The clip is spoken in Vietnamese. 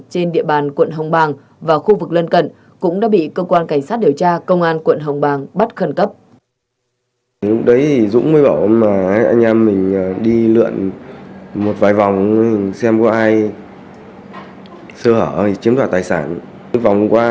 trên địa bàn quận hồng bàng và khu vực lân cận cũng đã bị cơ quan cảnh sát điều tra công an quận hồng bàng bắt khẩn cấp